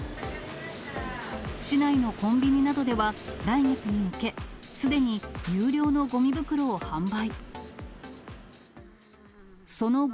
市内のコンビニなどでは、来月に向け、すでに有料のごみ袋を販売。